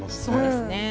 そうですね。